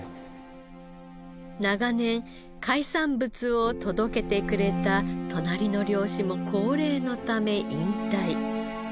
長年海産物を届けてくれた隣の漁師も高齢のため引退。